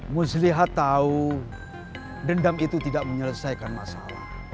muslihat tahu dendam itu tidak menyelesaikan masalah